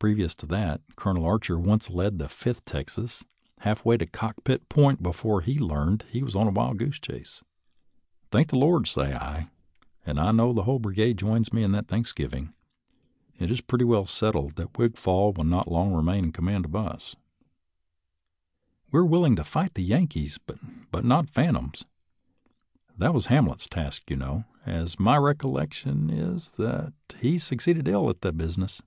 Previous to that, Colonel Archer once led the Fifth Texas half way to Cockpit Point before he learned he was on a wild goose chase. Thank the Lord, say I, — and I know the whole brigade joins me in the thanksgiving, — it is pretty well settled that Wig fall will not long remain in command of us. We are willing to fight the Yankees, but not phan toms ; that was Hamlet's task, you know, and my recollection is that he succeeded ill at the busi ness.